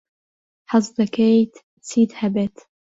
حەز دەکەیت چیت هەبێت؟